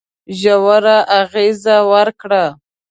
ژوره اغېزه وکړه.